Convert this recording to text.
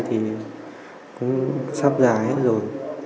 thì cũng sắp già hết rồi